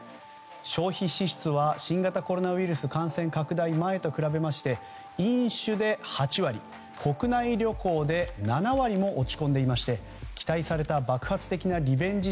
消費支出は新型コロナウイルス感染拡大前と比べまして飲酒で８割、国内旅行で７割も落ち込んでいまして期待された爆発的なリベンジ